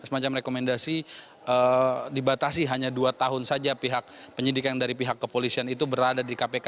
semacam rekomendasi dibatasi hanya dua tahun saja pihak penyidik yang dari pihak kepolisian itu berada di kpk